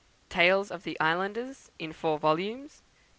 Tales of the Islanders, in four volumes.